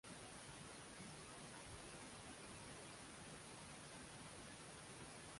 Antarctica ব্যতীত পৃথিবীর সকল স্থানেই বিষধর সাপের দেখা মিলে।